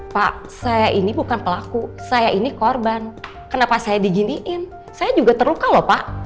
pak saya ini bukan pelaku saya ini korban kenapa saya diginiin saya juga terluka loh pak